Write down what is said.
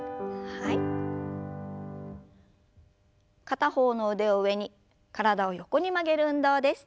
片方の腕を上に体を横に曲げる運動です。